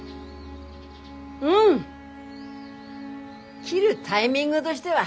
うん切るタイミングどしては